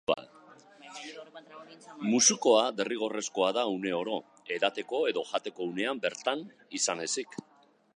Musukoa derrigorrezkoa da uneoro, edateko edo jateko unean bertan izan ezik.